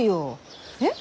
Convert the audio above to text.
えっ？